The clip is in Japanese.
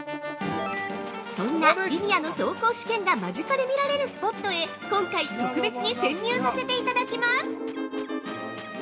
◆そんなリニアの走行試験が間近で見られるスポットへ今回、特別に潜入させていただきます。